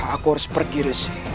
aku harus pergi rai